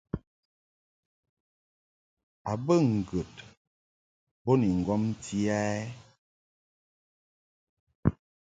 A bə ŋgəd bo ni ŋgomti a ɛ ?